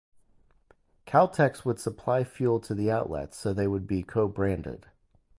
Caltex would supply fuel to the outlets and they would be co-branded.